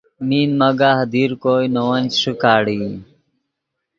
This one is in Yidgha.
مند مگاہ دیر کوئے نے ون چے ݰیکاڑئی